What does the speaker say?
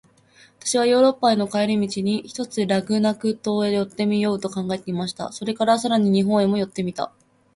私はヨーロッパへの帰り途に、ひとつラグナグ島へ寄ってみようと考えていました。それから、さらに日本へも寄ってみたいと思いました。